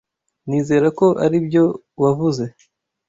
Nizera ko aribyo wavuze.